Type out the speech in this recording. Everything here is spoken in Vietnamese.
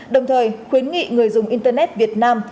đồng thời khuyến nghị người dùng internet việt nam